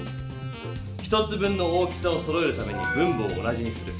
１つ分の大きさをそろえるために分母を同じにする。